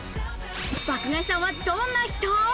爆買いさんはどんな人？